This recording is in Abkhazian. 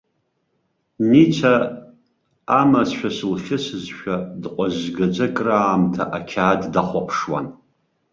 Ница амацәыс лхьысызшәа, дҟәазгаӡа краамҭа ақьаад дахәаԥшуан.